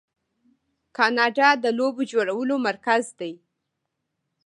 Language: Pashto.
کاناډا د لوبو جوړولو مرکز دی.